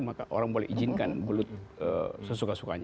maka orang boleh izinkan belut sesuka sukanya